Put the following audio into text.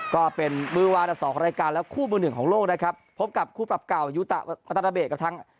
ก็เป็นมือวางดับสองของรายการและคู่มือหนึ่งของโลกนะครับพบกับคู่ปรับเก่ายูอัตรเบศกับทาง